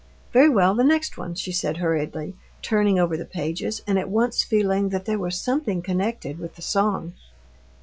"Very well, the next one," she said hurriedly, turning over the pages, and at once feeling that there was something connected with the song.